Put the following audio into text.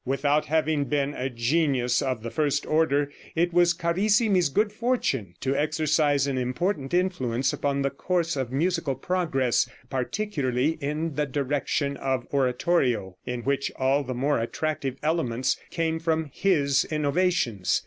Without having been a genius of the first order, it was Carissimi's good fortune to exercise an important influence upon the course of musical progress, particularly in the direction of oratorio, in which all the more attractive elements came from his innovations.